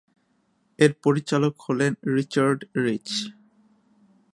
এর পরিচালক হলেন রিচার্ড রিচ।